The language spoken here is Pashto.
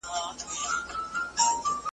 چي پر مځكه انسانان وي دا به كېږي `